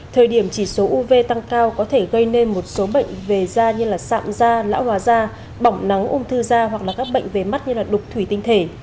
thời điểm chỉ số uv tăng cao có thể gây nên một số bệnh về da như sạm da lão hòa da bỏng nắng ung thư da hoặc là các bệnh về mắt như đục thủy tinh thể